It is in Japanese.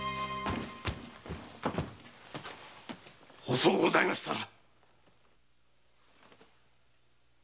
遅うございましたな。